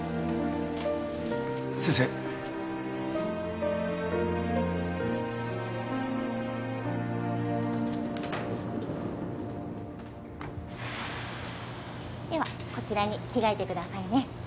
先生ふうではこちらに着替えてくださいね